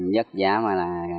nhất giá mà là